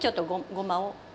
ごまを。